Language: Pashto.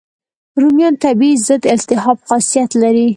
رومیان طبیعي ضد التهاب خاصیت لري.